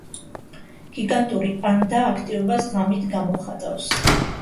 გიგანტური პანდა აქტივობას ღამით გამოხატავს.